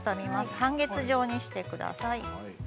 半月状にしてください。